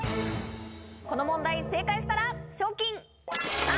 この問題正解したら。